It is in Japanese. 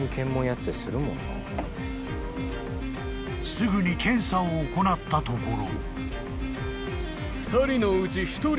［すぐに検査を行ったところ］